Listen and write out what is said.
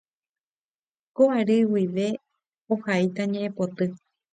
Ko ary guive ohaíta ñe'ẽpoty.